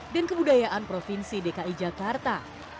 dan kebudayaan provinsi dki jakarta